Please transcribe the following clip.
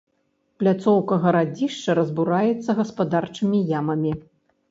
Пляцоўка гарадзішча разбураецца гаспадарчымі ямамі.